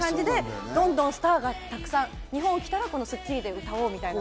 どんどんスターがたくさん日本に来たら『スッキリ』で歌おうみたいな。